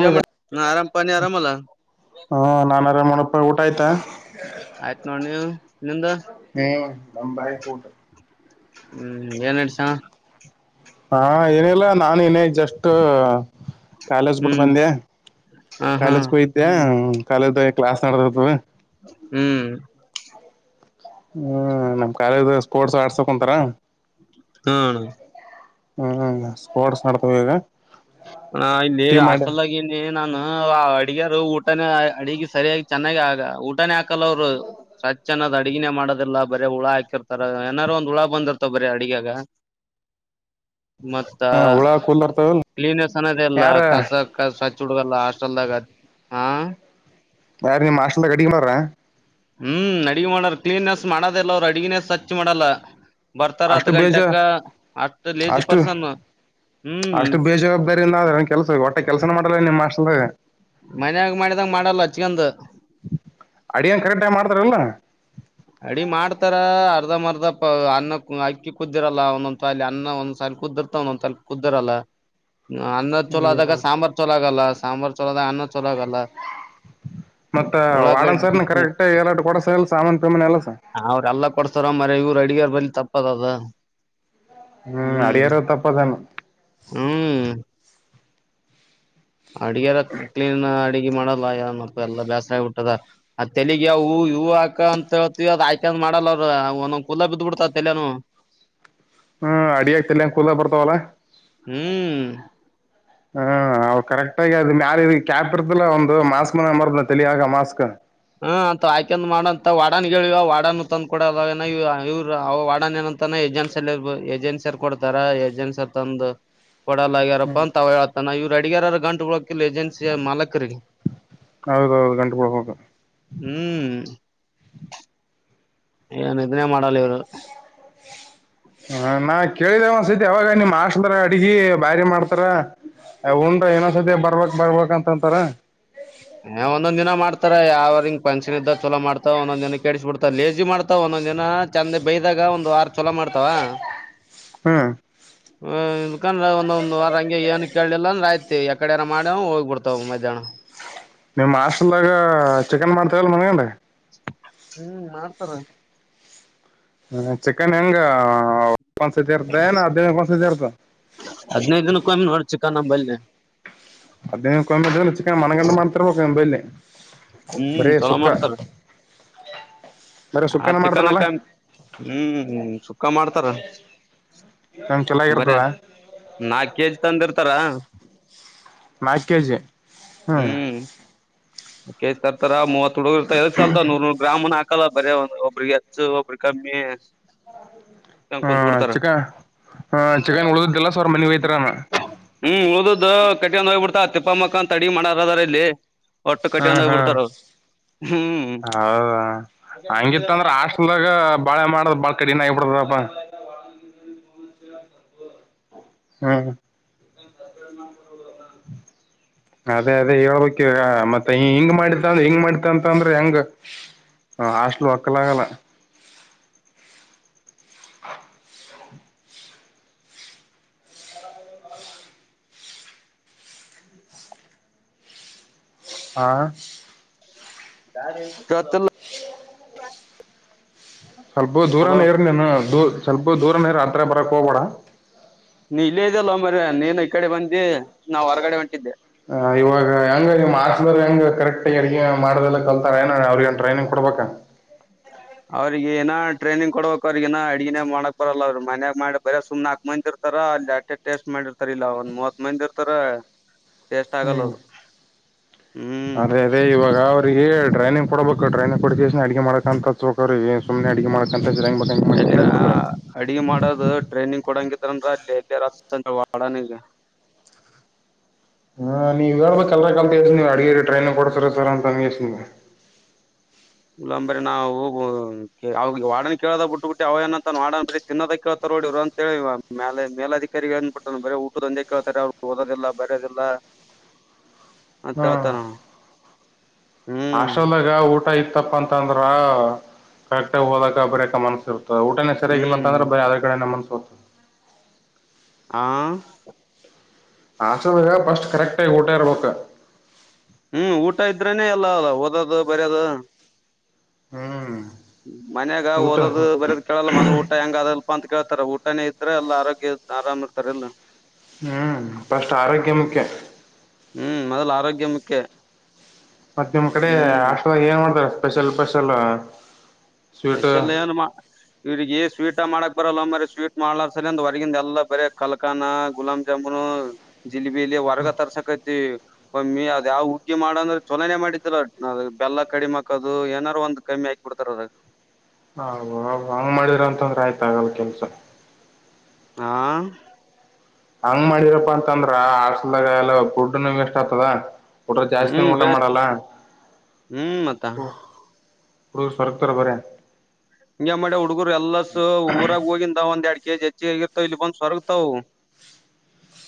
ಯ ಆರಾಮ ಪ ನೀ ಆರಾಮ ಅಲ್ಲ ಹಾ ನಾನ ಆರಾಮ ನೋಡಪ್ಪ ಊಟ ಆಯ್ತಾ ಆಯ್ತ್ ನೋಡ್ ನೀವು ನಿಂದು ಹೂ ನಮ್ದ್ ಆಯ್ತು ಊಟ ಹ್ಮ್ ಏನ್ ನಡೆಸನ ಹಾ ಏನಿಲ್ಲ ನಾನೇ ಇನ್ನೀಗ ಜಸ್ಟ್ ಕಾಲೇಜ್ ಬಿಟ್ಟು ಹ್ಮ್ ಬಂದ್ಯಾ ಹ ಹಾ ಕಾಲೇಜಕ ಹೋಗಿದ್ಯಾ ಕಾಲೇಜ್ದ ಕ್ಲಾಸ್ ನಡಿದಿರತ್ತದ ಹ್ಮ್ ಹ್ಮ್ ನಮ್ ಕಾಲೇಜ ಸ್ಪೋರ್ಟ್ಸ್ ಆಡ್ಸಕ ಕುಂತಾರ ಹ್ಮ ಹ್ಮ್ ಸ್ಪೋರ್ಟ್ಸ್ ನಡ್ತದ ಈಗ ಹ ಇಲ್ಲಿ ಟೀಮ್ ಮಾಡಿ ಹಾಸ್ಟೆಲ್ ದಾಗ ಇಲ್ಲಿ ನಾನು ಅಡಗಿಯರ ಊಟನೇ ಅಡಿಗೆ ಸರಿಯಾಗಿ ಚೆನ್ನಾಗಿ ಆಗ ಊಟಾನೇ ಹಾಕಲ್ಲ ಅವರು ಸಚ್ನ್ನದ್ ಅಡ್ಗಿನೇ ಮಾಡೋದಿಲ್ಲಾ ಬರೀ ಹುಳ ಹಾಕಿರ್ತಾರ ಏನಾರು ಒಂದ್ ಹುಳ ಬಂದಿರ್ತವ ಬರೀ ಅಡಗಾಗ ಮತ್ತ ಹ ಹುಳ ಕೂಲ್ ಬರ್ತಾವಲ್ ಕ್ಲೀನಸ್ ದೆ ಎಲ್ಲ ಯಾರ ಕಸ ಕ ಸಚ್ಚ ಹುಡುಗಲ್ಲ ಹಸ್ಟೆಲ್ದಾಗ ಹ ಯಾರ ನೀಮ್ಮ ಮಾಸ್ಲ್ಲ ಕಡಿಕ್ಕೆ ಮಾಡಿ್ರ ಹ್ಮ್ ಅಡಗ ಮಾಡಾರ ಕ್ಲೀನ್ಸ್ ಮಾಡೋದಲ್ಲ ಅವ್ರು ಅಡಗಿನೇ ಸ್ವಚ್ ಮಾಡಲ್ಲ ಬರ್ತಾರ ಹತ್ ಅಷ್ಟು ಬೇಜ ಗಂಟಕ್ಕ ಅಷ್ಟ ಲೇಜಿ ಅಷ್ಟು ಪರ್ಸನ್ ಹ್ಮ್ ರಿಂದ್ರ ಒ ಕೆಲ್ಸ ಹೊಟ್ಟೆ ಕೆಲಸನ ಮಾಡಲ್ಲ ನಿಮ್ಮ ಮಾಸ್್ರ ಮನ್ಯಾಗ ಮಾಡಿದಂಗ ಮಾಡಲ್ಲ ಹಚ್ಗಂದ ಅಡಿಯನ್ ಕರೆಕ್ಟ್ ಟಮ್ ಮಾಡ್ತಾರಲ್ಲ ಅಡಿ ಮಾಡ್ತಾರ ಅರ್ಧ ಮರ್ಧ ಪ ಅನ್ನ ಅಕ್ಕಿ ಕುದಿರಲ್ಲ ಒಂದೊಂದ್ಸಲ್ಲಿ ಅನ್ನ ಒಂದ್ಸಾಲ ಕುದಿರ್ತ ಕುದಿರಲ್ಲ ಅನ್ನದ ಚೋಲ ಆದಾಗ ಸಾಂಬಾರ್ ಚಲ ಆಗಲ್ಲ ಸಾಂಬಾರ್ ಚೋಲದಾಗ ಅನ್ನದ ಮತ್ತ ವಾಡನ್ ಉಳ್ಳಾಗಡ್ಡಿ ಸರ್ನ ಕರೆಕ್ಟ್ ಏ ಕೊಡ ಸಲ್ ಸಾಮಾನ ಪ್ರೇಮಾಣ ಎಲ್ಲ ಸರ್ ಹ ಅವ್ರೆಲ್ಲ ಕೊಡ್ಸ್ತಾರ ಮರ ಇವ್ರು ಅಡಿಗಾರ್ ಬರಲಿ ತಪ್ಪದದ ಹ್ಮ್ ಅಡಿಯಾರ ತಪ್ಪದಾನು ಹ್ಮ್ ಅಡಿಗೆಾರ ಕ್ಲೀನ್ ಅಡಗೆ ಮಾಡಲ್ಲ ಯಾರನ್ಪ್ಪ ಎಲ್ಲಾ ಬೇಾಸ್ರ ಆಗಬ ಬಿಟ್ಟದ ಆ ತೆಲಗ್ ಯಾವವುೂ ಹೂವು ಹಾಕ ಅಂತ ಹತ್ ಆಯ್ತ ಮಾಡಲ್ಲ ಅವ ಅವ ಒೊ ಕುಲ ಬಿದ್ದ್ ಬಿಡ್ತ ತಲನು ಹಾ ಹ್ಮ್ ಅಡಿ ಆಗ್ತಿಲ್ಲಂಗ ಕೂಲ್ ಬರ್ತವಲ್ಲ ಹ್ಮ್ ಹ್ಮ ಅವ ಕರೆಕ್ಾಗಿ ಅದುಾರ ಕೇಪದ ಒಂದು ಮಾಸ್ಕನ ಅಮರ್ದೆಳಿಯಾಗ ಮಾಸ್ಕ ಹ್ಮ ಅಂತ ಆಾಕಂದ ಮಾಡಂತ ವಾಡನ್ ಹೇಳಿವ ವಡನ್ ತಂದ್ ಕೊಡದ ಇವ್ ಅವ ವಾಡನ್ ಏನಂತ ಏಜೆನ್ಸಲ್ಲಿ ಏಜೆನ್ಸಿರ್ ಕೊಡ್ತಾರ ಏಜೆನ್ಸಿರ್ ತಂದು ಕೊಡಲ್ಲ ಆಗ್ಯಾರಪ್ಪ ಅಂತ ಅವ ಹೇಳ್ತಾನ ಇವರು ಅಡಗ್ಯಾರರ ಗಂಟುಗಳಕ ಇ ಏಜನ್ಸಿಯ ಮಾಲಕರಿಗೆ ಹೌದೌದು ಗಂಟು ಬೆಳ ಹೋಗ ಹ್ಮ್ ಏನ್ ಇದನ್ನೇ ಮಾಡಲ್ಲ ಇವ್ರು ಹ ನಾ ಕೇಳಿದೆೇ ಒಂದ್ಸತಿ ಯಾವಾಗ ನಿಮಮ್ಮ್ ಆಶದ್ರ ಅಡ್ಗಿ ಬಾರಿ ಮಾಡ್ತಾರ ಉಂಡ್ರ ಏನೋ್ ಸದ್ಯ ಬರ್ಬೇಕಕ್ ಬರ್ಬೇಕ ಅಂತ ಅಂತರ ಒಂದೊಂದ್ಿನ ಮಾಡ್ತಾರ ಯಾವ್ರಂಗ್ ಪಂನ್ಕ್ಷನ್ ಇದ್ದ ಚಲೋ ಮಾಡತಾವ ಒಂದೊಂದ ದಿನ ಕ ಕೆಡಸಿ ಬಿಡ್ತ ಲೇಜಿ ಮಾಡ್ತಾವ ಒಂದೊಂದ್ಿನ ಚಂದೆ ಬೈ್ದಾಗ ಒಂದು್ ಆರು ಚಛಲ ಮಾಡ್ತಾವ ಹಾ ಹ [unintelligible] ಇಕಂದ್ರ ಒಂದ ಒಂದ ವಾರ ಹಂಗೆ ಏ ಕೇಳಲಿಲ್ಲಂದ ಆಯ್ತಿ ಎಕಡಾರ ಮಾಡ ಹೋಗ್ಬಿಡ್ತಾವ ಮಧ್ಯಾಹ್ನ ನಿಮ್ ಮಾಸ್ಲ್ದಾಗ ಚಿಕನ್ ಮಾಡ್ತ ಮನ್ಗಂಡ ಹ್ಮ್ ಮಾಡ್ತಾರ ಹ್ಮ ಚಿಕನ್ ಹೆಂಗ ಒಂದ್ಸತಿ ಇರ್ತಏ ಹದ್ಿನನ ಒಂದ್ಸತಿ ಇರ್ತ ಹದಿನೈದು ದಿನಕ್ಕ ಒಿ ನೋ ಚಕ್ಕಾ ನಂಬಲ್ಲಿ ಅದ ಕೊ ಮಣಗಂಡು [unintelligible] ಮಾತ್ರಲ್ಲೇ ಹ್ಮ್ ಚಲೋ ಮಾಡ್ತಾರ ಬರೀ ಆ ಸುಕ್ಕನ ಚಿಕನ ಮಾಡ್ತಾರಲ್ಲ ಕ ಹ್ಮ್ ಸುಖ ಮಾಡ್ತಾರ ನಮ್ ಬರ ಚಲಾಗಿರ್ತದ ನಾಕ್ ಕೆಜಿ ತಂದಿ ಇರ್ತಾರ ನಾಲ್ಕು ಕೆ ಜಿ ಹ್ಮ್ ತತರ ಮೂವತ್ ತುಡಗರ್ತ ಎ ಸಲ್ತ ನೂರ್ ನೂರ್ ಗ್ರಾಮನ ಹಾಕಲ್ಲ ಬರ ಒಂದ ಒಬ್ರಿಗೆ ಹೆಚ್ಚು ಒಬ್ರ ಕಮ್ಮಿ ಹಾ ಕುಂತ್ ಬಿಡ್ತಾರ. ಚಿಕನ್ ಹ ಚಿಕನ್ ಉಳ್ದದಿಲ್ಲ ಸವರ್ ಮನಿ ಯತರಾನ ಹ್ಮ್ ಉಳ್ದು ಕಟ್ಟಿ ಹೋಗ್ಬಿಡ್ತಾ ತಿಪ್ಪ ಮಕ್ಕನ್ ಅಡಿಗೆ ಮಾಡಾರ ಅದಾರ ಇಲ್ಲಿ ಒಟ್ಟು ಕಟ್ಟಿ ಹ್ಮ್ ಗೋಡು ಹೊಗ್ ಹ್ಮ್ ಬಿಡ್ತಾರ ಅವರು ಹ್ಮ್ ಹೌದಾ ಹಂಗಿತ್ತ ಅಂದ್ರೆ ಹಾಸ್ಟಲ್ದಾಗ ಬಾಳೆ ಮಾಡ್ದ್ ಬಾಳ ಕಡಿಣ ಆಗಿಬಿಡ್ತದಪ್ಪ ಹ್ಮ್ ನ ಹ ಅದೇ ಅದೇ ಹೇಳ್ಬೇಕ ಮತ್ತೆ ಹಿಂಗ್ ಮಾಡತ್ತ ಅಂದ ಹಿಂಗ್ ಮಾಡತ ಅಂತ ಅಂದ್ರೆ ಹೆಂಗ ಹ ಹಾಸ್ಟಲ್ ಒಕ್ಕಲಾಗಲ್ಲ ಹ ಹ ಹಾ ಕತ ಸ್ವಲ್ಪ ದೂರನೇ ಇರ ನೀನು ದೂ ಸ್ವಲ್ಪ ದೂರನೇ ಇ ರ ಹತ್ತ್ರ ಬರಕ್ಕೆ ಹೋಗಬೇಡ ನೀ ಇಲ್ಲೇ ಇದಲ್ಲ ಮರಯ ನೀನ್ ಈ ಕಡೆ ಬಂದಿ ನಾವ್ ಹೊರಗಡೆ ಹೊಂಟಿದ್ದೆ ಹ ಇವಾಗ ಹೆಂಗ ಹಾಸ್ಟಲ್ ಹೆಂಗೆ ಕರೆಕ್ಟ್ಾಗಿ ಅ ಮಾಡದೆಲ್ಲ ಕಲ್ತಾರ ಏನ ಅವ್ರಿಗಏನ್ ಟ್ರೈನಿಂಗ್ ಕೊಡ್ಬೇಕ ಹ [unintelligible] ಅವ್ರಿಗ ಏನ ಟ್ರೇನಿಂಗ ಕೊಡಬೇಕು ಅವ್ರಗ ಏನ ಅಡಿಗೆನೇ ಮಾಡಕ್ ಬರಲ್ಲ ಅವರು ಮನ್ಯಾಗ ಮಾಡಿ ಇರ್ತಾರ ಅಲ್ಲಿ ಅಟ್ಟೆ ಟೆಸ್ಟ್ ಮಾಡಿರ್ತಾರ ಇಲ್ಲ ಒಂದ್ ಮೂವತ್ ಮಂದಿ ಇರ್ತಾರ ಟೇಸ್ಟ್ ಹ್ಮ್ ಆಗಲ್ಲದು ಹ್ಮ್ ಅದೇ ಇವಾಗ ಅವ್ರರಿಗೆ ಟ್ರೈನಿಂಗ್ ಕೊಡಬೇಕು ್ರೈನಿಂಗ ಕೊಡ ಅಡಗೆ ಮಾಡಕಂತ ಚಕ ಸಮ್ಮ ಅಡುಗೆ ಮಾಡಕಂತ ಯಗ್ ಬೇಕನ್ತ ಅಂಗೇ ಎಲ್ಲಿರ ಅಡ್ಗೆ ಮಾಡೋದು ಟ್ರೈನಿಂಗ್ ಕೊಡಂಗಿದ್ರನ್ ಅಲ್ಲಿ ಎಲ್ಲಿರ ಸಂಜ ವಡನಿಗೆ ಹಾ ನೀವ ಹೇಳ್ಬೇಕ ಅಲರ ಕಲ್ತ್ಸ ನೀವ ಅಡಗ ಟ್ರೈನ್ ಕೊಡ್ತರ ಸರ್ ಅಂತಸ ನೀವು ಇಲ್ಲಂಬ್ರ ನಾವು ಅವ ವಾಡನ್ ಕೇಳ್ದಾಗ ಬಿಟ್ಟು ಬಿಟ್ಟೆ ಅವಏನಂತಾಡನ್ ಬೀ ತಿನ್ನೋದ ಕೇತಾರೆ ನೋಡಿವ್ ಅಂತೇಳಿವ ಮೇಲೆ ಮೇಲಧಿಕಾರಿಗಳೇನ್ ಬಿಟ್ಟ ಬೇ ಊಟುಂದೆ ಕೇತಾರೆ ಅವರು ಓದುವುದಿಲ್ಲ ಬರೆಯುವುದಿಲ್ಲ ಹ್ಮ ಹ್ಮ್ ಹಾಸ್ಟಲ್ದಾಗ ಊಟ ಐತ ತಪ್ಪ ಅಂತ ಅಂದ್ರ ಕರೆಕ್ಟ ಆಗ ಓದಕ್ಕೆ ಬರೆಯಕ್ಕ ಮನ್ಸ ಇರ್ತದೆ ಸರಿಾಗಿಲ್ಲ ಹ್ಮ್ ಅಂದ್ರೆ ಬ ಅ್ರ ಕಡೆ ನಮ್ಮನ್ಸ್ಸ ಹಾ ಹಾಸ್ಟಲ್ದಾಗ ಫಸ್ಟ್ ಕರೆಕ್ಟ್ ಆಗಿ ಊಟ ಇರ್ಬೇಕ್ ಹ್ಮ್ ಊಟ ಇದ್ರನೆೇ ಎಲ್ಲ ಅಲ್ಲ ಓದದು ಬರದು ಹ್ಮ್ ಮನ್ಯಾಗ ಓದದು ಊಟ ಬರಿಯದು ಕೇಳಲ್ಲ ಮೊದ್ಲು ಊಟ ಹೆಂಗ ಅದಲ್ಪ ಅಂತ ಕೇಳ್ತಾರೆ ಊಟನೇ ಇದ್ರೆ ಎಲ್ಲ ಆರೋಗ್ಯ ಅ ಆರಾಮ ಇರ್ತಾರೆ ಇಲ್ಲ ಹ್ಮ್ ಫಸ್ಟ್ ಆರೋಗ್ಯ ಮುಖ್ಯ ಹ್ಮ್ ಮೊದ್ಲು ಆರೋಗ್ಯ ಮುಖ್ಯ ಮತ್ತ ನಿಮ್ ಕಡೆ ಹ್ಮ್. ಹಾಸ್ಟಲ್ದಾಗ ಏನು ಮಾಡ್ತಾರ ಸ್ಪೆಷಲ್ ಸ್ಪೆಷಲ್ ಸ್ವೀಟ್ ಸ್ಪೆಷಲ್ ಏನು ಮ ಇವಿಗೆ ಸ್ವೀಟ್ ಮಾಡಕ್ ಬರಲ್ಲ ಮ್ರ ಸ್ವೀಟ್ ಮಾಡ್ಲಾರ ಸರಿ ಅಂದ ಹೊರಗಿಂದ ಎಲ್ಲ ಬರ ಕಲ್ಕನ ಗುಲಾ ಗುಲಾಬ್ ಜಾಮೂನ್ ವರ್ಗ ತರ್ಸಕೈತಿ ಒಮ್ಮ ಅದ ಯಾವ ಉಗ್ಗಿ ಮಾಡಂದ್ರೆ ಚೊಲನೇ ಮಾಡಿದಲ್ಲ ಬೆಲ್ಲ ಕಡಿಮಾಕದು ಏನಾರು ಒಂದ್ ಕಮ್ಮಿ ಆಾಕ್ಬಿಡ್ತಾರ ಹ ಹಂಗ್ ಮಾಡಿರ ಅಂತಂದ್ರೆ ಆಯ್ತ ಆಗಲ್ಲ ಕೆಲ್ಸ ಹಾ ಹಂಗ್ ಮಾಡಿರಪ್ಪಾ ಅಂತಂದ್ರ ಹಾಸ್ಟೆಲ್ಲ್ದಾಗ ಎಲ್ಲ ಫುಡ್ ವೇಸ್ಟ್ ಆಗ್ತದ ಊಟ್ರ ಜಾಸ್ತಿನ ಹ್ಮ್ ಊಟ ವೇಸ್ಟ್ ಮಾಡಲ್ಲ ಹ್ಮ್ ಮತ್ತ ಓ [unintelligible] [unintelligible] [unintelligible] ತರ ಬರ ಹಿಂಗ ಮಾಡ್ಯ ಹುಡುಗರು ಎಲ್ಲಾ ಊರಾಗ ಹೋಗಿಿಂದ ಒಂದ್ ಎರಡು ಕೆಜಿ ಹೆಚ್ಚಿ ಆಗಿತಾವ ಇಲ್ಲಿ ಬಂದ್ ಸರರ್ಗ್ತಾವ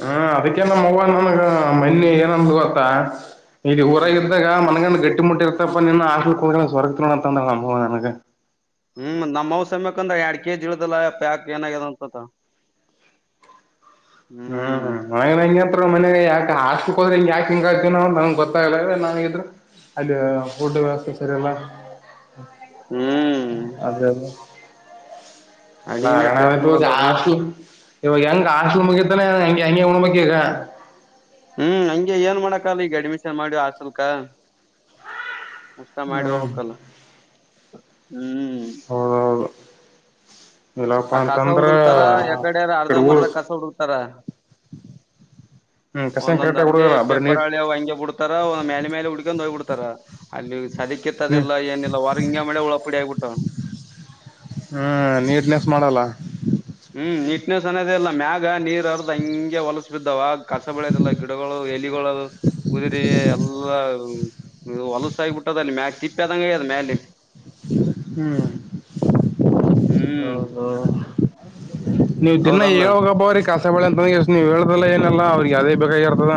ಹಾ ಅದಕ್ಕೆ ನಮ್ ಅವ್ವ್ ನನಗ ಏನಂದ್ಲು ಗೊತ್ತ ಇಲ್ಲಿ ಹ್ಮ್ ಊರಾಗ ಇಗ ಮನಗ ಗಟ್ಟಿ ಮುಟ್ಟಿ ಇತಪ್ಪ ನಿನ್ನ ಹಾಸ್ಟೆಲ್ [unintelligible] ಸೊರಗ್ತಿ ಅಂತಂದಳಾ ನಮ್ ಅವ್ವ ನನಗೆ ಹ್ಮ್ ನಮ್ಮ್ ಅವ್ವ ಸಮಯಕ್ ಅಂದ್ರೆ ಎರಡ್ ಕೆ ಜಿ ಇಳ್ದಲ್ಲ ಪ್ಯಾಕ್ ಏನಾಗ್ಯದ ಅಂತಕೊಳ್ಳ [inaudible] ಹ್ಮ್ ಹ್ಮ್ [unintelligible] ನ [unintelligible] ಹಂಗೆ ಅಂತರ್ ಮನೆಗೆ ಯಾಕ ಹಾಸ್ಟ್ಲ್ ಹೋದ್ರ ಯಾಕ್ ಹಿಂಗ ಆಗ್ತಿವಿ ನಾವು ನಮ್ಗೆ ಗೊತ್ತಾಗಲ್ಲ [unintelligible] ಅಲ್ಲಿ ಫುಡ್ ವ್ಯವಸ್ಥೆ ಸರಿಲ್ಲ [unintelligible] [unintelligible] ಅದೇ ಅದು ಹ್ಮ [unintelligible] ಅಲ್ಲ [unintelligible] [unintelligible] ಹಾಸ್ಟೆಲ್ ಇವಾಗ ಹೆಂಗ್ ಹಾಸ್ಟಲ್ ಮುಗೀತನ ಹೆಂಗೆ ಅಂಗೇ [unintelligible] [unintelligible] ಈಗ ಹ್ಮ್ ಹಂಗೆ ಏನ್ ಮಾಡಕಲ್ಲ ಈಗ ಅಡ್ಮಿಷನ್ ಮಾಡಿ ಹಾಸ್ಟೆಲ್ಕ. [unintelligible] ಮಾಡಿ ಹ್ಮ್ ಹೋಗಬಕ್ಕಲ್ಲ [unintelligible] ಹ್ಮ್ [unintelligible] [unintelligible] ಆ ಇಲ್ಲಪ್ಪಾ ಕಸ ಅಂತಂದ್ರ ಹುಡುಕ್ತಾರ ಎಗಡರ ಈ ಅರ್ಧ ಕಡೆ ಊರ್ ಮರ್ಧ ಕಸ ಹುಡುಕ್ತಾರ ಹ್ಮ್ ಕಸನ್ ಒಂದೊಂದ್ ಕರೆಕ್ಟಾಗಿ ಅಲ್ಲಿ ಹುಡುಗಲ್ಲ ಬರೀ ಪೇಪರ್ ನೀಟ್ ಹಳಿಅವ ಹಂಗೆ ಬಿಡ್ತ [unintelligible] ಮೇಲೆ ಮೇಲೆ ಹುಡ್ಕೊಂಡು ಹೋಗ್ಬ ಬಿಡ್ತಾರ ಅಲ್ಲಿ ನೀ ಸದಕ್ಕಿತ್ತದೆಲ್ಲ ಏನಿಲ್ಲ ಹೊರ್ಗಿ ಹಿಂಗೇ ಮಳೆ ಉಳ ಪುಡಿ ಆಗಿಬಿಟ್ಟ್ನು ಹ್ಮ್ ನೀಟ್ನೆಸ್ ಮಾಡಲ್ಲ ಹ್ಮ್ ನೀಟ್ನೆಸ್ ಅನ್ನೋದ ಇಲ್ಲ ಮ್ಯಾಗ ನೀರ್ ಹರ್ದ್ ಹಂಗೆ ಹೊಲಸ ಬಿದ್ದಾವ ಕಸ ಬೆಳೆಯದಲ್ಲ ಗಿಡಗಳು ಎಲಿಗಳು ಉದರಿ ಎಲ್ಲಾ ನೀ ಹೊಲಸ ಆಗಿಬಿಟ್ಟದ ಅಲ್ಲಿ ಮ್ಯಾಲೆ ತಿಪ್ಪದಂಗೆ ಅದ ಮೇಲೆ [unintelligible] ಹ್ಮ್ ಹ್ಮ್ ಹೌದೌ ನೀವು ದಿನ ಹೌದಲ್ಲ ಹೇಳ್ ಹೋಗಪ [unintelligible] [unintelligible] [unintelligible] ನೀವು ಹೇಳ್ದಲ್ಲಏಲ್ಲ ಅವ್ರಿಗೆ ಅದೇ ಬೇಕಾಗಿರ್ತದ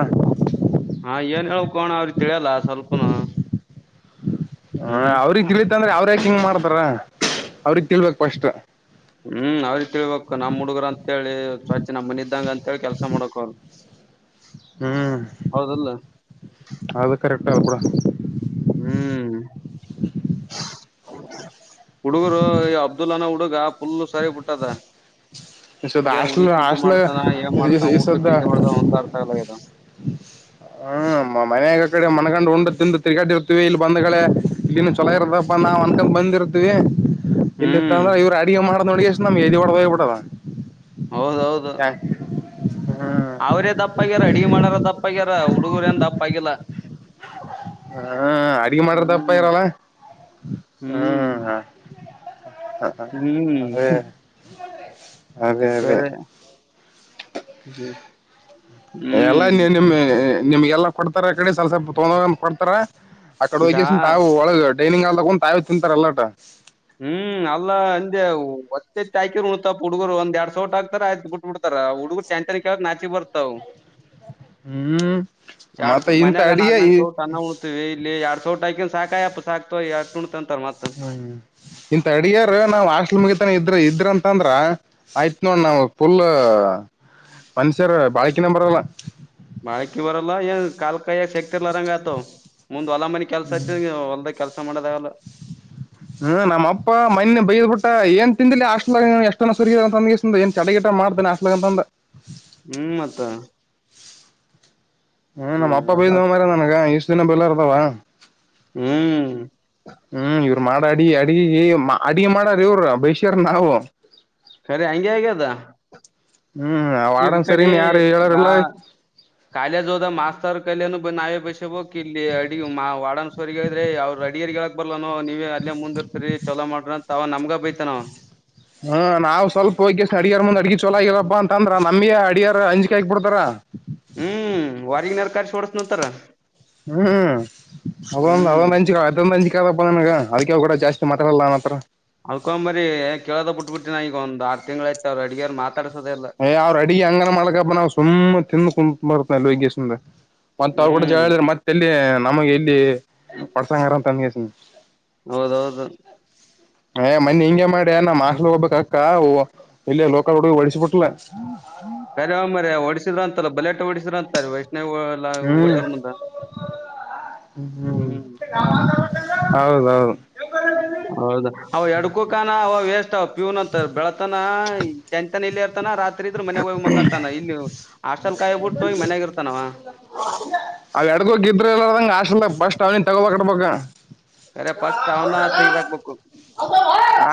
ಹಾ ಏನ್ ಹೇಳ್ಬೇಕೋ ಅಣ್ಣಾ ಅವ್ರಿ ತಿಳಿಯಲ್ಲ ಸ್ವಲ್ಪನು ಹ ಹ್ಮ್ ಅವ್ರಗ್ ತಿಳಿತ ಅಂದ್ರೆ ಅವ್ರ ಯಾಕ ಹಿಂಗ್ ಮಾಡ್ತಾರ ಅವ್ರಗ್ ತಿಳ್ಬೇಕ್ ಫಸ್ಟ್ ಹ್ಮ್ ಅವ್ರಿ ತಿಳ್ಬಕ್ ನಮ್ ಹುಡುಗ್ರ ಅಂತ ಹೇಳಿ ಸ್ವಚ್ಛ ನಮ್ಮ್ ಮನಿ ಇದಂಗ ಅಂತ ಹೇಳಿ ಕೆಲ್ಸ ಮಾಡ್ಬೇಕು ಅವ್ರು ಹ್ಮ್ ಹೌದಲ್ಲ ಅದು ಕರೆಕ್ಟ್ ಬುಡ ಹ್ಮ್ [unintelligible] [unintelligible] ಹುಡುಗರು ಇ ಅಬ್ದುಲ್ಲನ ಹುಡುಗ ಪುಲ್ ಸರಿ [unintelligible] ದ ಇಸದ ಏನ್ ಉಡಿ ಹಾಸ್ಟ್ಲ್ ಚಿಂತೆ ಹಾಸ್ಟ್ಲ್ ಮಾಡ್ತಾನ ಏನ್ ಮಾಡ್ತಾನ ಊಟ ಇಸದ ಚಿಂತೆ ಮಾಡ್ತಾನ ಒಂದತ [unintelligible] ಹ್ಮ್ ಮನೆಯಾಗ ಕಡೆ ಮನಗಂಡ ಉಂಡು ತಿಂದು ತಿರುಗಾಡಿ ಇರ್ತಿವಿ ಇಲ್ಲಿ ಬಂದ್ ಕಡೆೇ ಇಲ್ಲಿನ್ ಚೊಲೋ ಇರದಪ್ಪ ನಾವು ಅಂದ್ಕೊಂಡ್ ಬಂದಿರ್ತೀವಿ ಇಲ್ಲಿ ಇತ್ತ ಹ್ಮ್ ಅಂದ್ರ ಇವ್ರ ಅ [unintelligible] ಮಾಡ ನೋಡಿ ಎಷ್ಟ ನಮ್ ಎದಿ ಹೊಡ ಹೋಗ್ಬಬಿಟ್ಟದ ಹೌದೌದು ಹ್ಮ್ ಅವ್ರೇ ದಪ್ಪ ಆಗ್ಯಾರ ಅಡಿಗೆ ಮಾಡಾರ ದಪ್ಪ ಆಗ್ಯಾರ ಹುಡುಗುರ ಏನ್ ದಪ್ಪ ಆಗಿಲ್ಲಾ ಹಾ ಅಡ್ಗೆ ಮಾಡಾರ ದಪ್ಪ ಹ್ಮ್ ಆಗ್ಯಾರಲ್ಲ ಹ್ಮ್ ಹಾ [unintelligible] ಹ್ಮ್ ಅದೇ ಅದೇ ಅದೇ ಕರೆ ಹ್ಮ್ ಎಲ್ಲಾ ನಿಮ ನಿಮ್ಗೆಲ್ಲಾ ಕೊಡ್ತಾರ ಕಡೆ ಸ್ವಲ್ ಸ್ವಲ್ಪ ತೊೊಂಡ ಕೊಡ್ತಾರ ಆಕಡೆ ಈಗ ಹೋಗ್ಯಸನ್ ತಾವು ಒಳಗ ಡೈನಂಗ ಹಾಲ್ ತಗೊಂಡು ತಾವವು ತಿಂತಾರಲ್ಲಾಟ ಹ್ಮ್ ಅಲ್ಲಾ ಅಂದೆ ಹೊತ್ತೆ ಹಾಕಿರ್ ಉಣತಪ್ ಹುಡುಗರು ಒಂದ ಎರಡ್ ಸಟ್ ಹಕ್ತಾರ ಆಯ್ತು ಬಿಟ್ಟ ಬಿಡ್ತಾರ ಹುಡುಗರು ಚ್ಯಾಂಂತನ್ ಕೇಳಕ್ ನಾಚಿ ಬರ್ತಾವ ಹ್ಮ್ ಮತ್ತೆ ಇಂತ ಮನೆಗೆ ಅಡಿಗೆ ನಾಟಕ ಈ ಚೋಟ ಅಣ್ಣಅಂತಾರೆ ಇಲ್ಲಿ ಎಡ್ ಸೋಟಐಕನ್ ಸಾಕ ಅಪ್ಪ ಸಾಕ್ತು ಎ ಕು ಅಂತ ಹ್ಮ್ ಇಂತ ಅಡಿಯಾರ ನಾವ್ ಹಾಸ್ಟಲ್ ಮುಗತಾನ ಇದ್ರ ಇದ್ರ ಅಂತಂದ್ರ ಆಯ್ತ್ ನೋ ನಾವ ಫುಲ್ ಮನ್ಷ್ಯರ ಬಾಳಕೆನ ಬರಲ್ಲ ಬಾಳಕಿ ಬರಲ್ಲ ಏನ್ ಕಾಲ್ ಕಾಯ್ಯ ಶಕ್ತಿರ್ಲ ರಂಗ ಆತ ಮುಂದ್ ಹೊಲ ಮನಿ ಕೆಲ್ಸಚ್ಚ ಹೊಲ್ದ ಕೆಲಸ ಮಾಡದಾಗಲ್ಲ ಹ್ಮ್ ನಮ್ಮಪ್ಪ ಮನೆೆ ಬೈದ್ ಬಿಟ್ಟ ಏನ್ ತಿದ್ಲಲಿ ಅಷ್ಟ ಎಷ್ಟನ ಸುಗಿದಂತ ಏನ್ ಚಡಗಿಟ ಮಾಡ್ದನೆ ಹಾಸ್ಟಲ್ ಅಂತ ಅಂದು ಹ್ಮ್ ಮತ್ತ ಹ್ಮ್ ನಮ್ಮ ಅಪ್ಪ ಬೈದವ ಮರ ನನಗ ಇಷ್ಟ್ ದಿನ ಬೆಲ್ಲ ಇರ್ತವ ಹ್ಮ್ ಹ್ಮ್ ಇವ್ರು ಮಾಡ ಅಡಿ ಅಡ ಅಡಗೆ ಮಾಡಾರ ಇವ್ರ ಬೇಷ್ಯಾರ ನಾವು ಸರಿ ಆಯಂಗೆೆ ಆಯಗೆ ಅದಾ ಹ್ಮ್್ಮ ನೀ ಈ ಕಡೆ ಕಾಲ ಜೋದ ಮಾಸ್ತರ್ ಕಲ್ಯನು ನಾವೇ ಬಸಬಬೇಕಕ್ ಇಲ್ಲಿ ಅಡಿ ಮಾ ವಡನ್ಸ್ವರ್ದ್ರೆ ಅವ್ರರು ಅಡಿಯರ್ ಬರ್ಲ್ಲಾನ ನೀವ ಅಲ್ಲೇ ಮುಂದ್ ಇರ್ತರಿ ಚಲೋ ಮಾಡ್ರಂತ ತ ಅವ ನಮಗ ಬೈತಾನ ಹ್ಮ ನಾವು ಸ್ವಲ್ಪ ಹೋಗಿ ಅಡ್ಗೆರ್ ಮುಂದೆ ಅಡಗಿ ಚೆನ್ನಾಗಿ ಇಲ್ಲಪ್ಪ ಅಂದ್ರೆ ನಮಗೆ ಅಡಿಗೆ ಬಿಡ್ತಾರೆ ಹ್ಮ್ ವರಿಯನ್ ಕಳಿಸಿ ಕೊಡುಸ್ತಾರೆ ಅಂತಾರೆ ಹ್ಮ್ ಹ್ಮ್ ಅದೊಂದು ಅಂಕಿ ಗ ಅದಕ್ಕೆ ಕೂಡ ಜಾಸ್ತಿ ಮಾತಾಲ್ಲ ನನ ಹತ್ರ ಅಲ್ಕೊಂಬರಿ ಕೇಳೋದ್ ಬಿಟ್ಬಿಟ್ಟಿನನ ಈಗ ಒಂದ ಆರು ತಿಂಗಳ ಯ್ತ ಅವ್ರ ಅಡಗಾರ ಮಾತ್ರ ಅವರು ಅಡುಗೆ ಹಂಗರ ಮಾಡಿಕೊಳ್ಳಪ್ಪ ನಾನು ಸುಮ್ ಕುಂತುಬಿಡ್ತೀನಿ ಮತ್ತ ಅವ್ರು ಕೂಡ ಜ ಹ್ಮ್ ಹೇಳ ಮತ್ತೆಲ್ಲಿ ನಮಗೆ ಇಲ್ಲಿ ಹೊಡ್ಸಂಗಾರಂತ ತಂದಸನಿ ಹೌದೌದು ಏ ಮನ್ನಿ ಹಿಂಗೆ ಮಾಡಿ ನ ಮಾಕ್ಲಿ ಹೋಗಬಬೇಕಕ್ ಅಕ್ಕ ಇಲ್ಲ ಲೋಕಲ್ ಹುಡುಗಿ ಒಡಸಬಿಟ್ಲ ಸರಿ ಮರಿ ಹೊಡಸಿದ್ರ ಅಂತಲ್ಲ ಬಲೆಟ ಹೊಡಸ್ರ ಅಂತಾರೆ ವೈಷ್ಣವ್ ಎಲ್ಲ ಹ್ಮ್ ಹೋಟೆಲ್ ಮು್ದ ಹ್ಮ್ ಹೌದೌದು ಹೌದ ಅವ ಎಡ್ಕೋಕಾನ ಅವ ವೇಸ್ಟ್ ಅವ ಪೀೂ್ನಂತ ಬೆಳತಾನ ಕೆಂ ಇಲ್ಲ ಇರ್ತಾನ ರಾತ್ರಿ ಇದ್ರ ಮನೆಾಗ ಹೋಗಿ್ ಮಕ ಅಂತಾನ ಇಲ್ಲಿ ಹಸ್ಟಲ್ ಕಾಯಿಬ ಬಿಟ್ಟ ಹೋಗಿ ಮನ್ ಇರ್ತವ ಹಗಲೆಲ್ಲ ಇಲ್ಲೇ ಇರ್ತಾನೆ ಅವ್ ಅಡಡ್ಗೋಗ ಇದ್ರರು ಎಲ್ಲದಂಗ ಆಶಲ್ ಬಸ್ಟ್ ಅವ ತಗೋದಕಡಬಬೇಕ ಅರೆ ಪಸ್ಟ್ ಅವನ ತಗದಾಕ್ಬೇಕು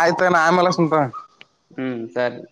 ಆಯ್ತ ನಾ ಆಮೇಲೆ ಹಚ್ಚತೀನಿ ತಗೋ ಹ್ಮ್ ಸರಿ